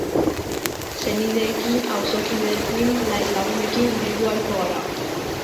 Senideekin, auzokideekin nahiz laguneekin bildu ahalko gara.